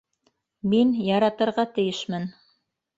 Мин яратырға тейешмен.